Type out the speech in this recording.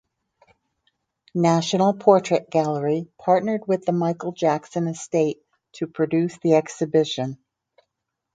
National Portrait Gallery partnered with the Michael Jackson Estate to produce the exhibition.